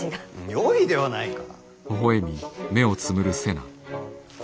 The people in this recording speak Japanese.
よいではないか。